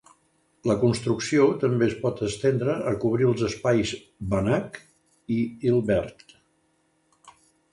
La construcció també es pot estendre a cobrir els espais Banach i Hilbert.